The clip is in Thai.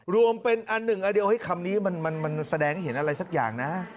รวมเป็นอันหนึ่งอันเดียวให้คำนี้มันแสดงให้เห็นอะไรสักอย่างนะ